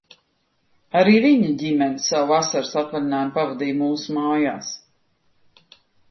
Arī viņa ģimene savu vasaras atvaļinājumu pavadīja mūsu mājās.